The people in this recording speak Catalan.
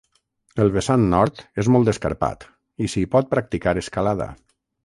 El vessant nord és molt escarpat i s'hi pot practicar escalada.